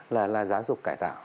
là giáo dục cải tạo